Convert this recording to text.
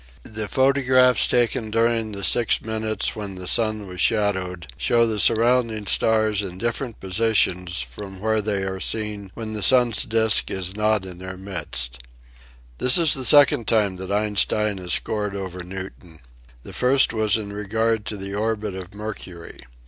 The photographs taken during the 86 EASY LESSONS IN EINSTEIN six minutes when the sun was shadowed show the surrounding stars in different positions from where they are seen when the sun's disk is not in their midst. This is the second time that Einstein has scored over Newton. The first was in regard to the orbit of Mer cury.